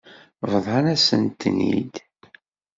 Bḍan-asent-ten-id.